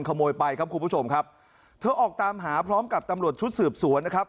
ขโมยไปครับคุณผู้ชมครับเธอออกตามหาพร้อมกับตำรวจชุดสืบสวนนะครับ